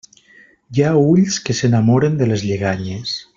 Hi ha ulls que s'enamoren de les lleganyes.